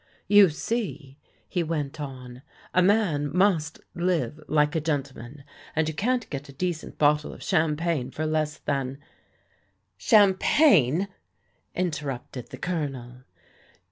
"You see," he went on, "a man must live like a gentleman, and you can't get a decent bottle of champagne for less than "" Champagne !" interrupted the Colonel.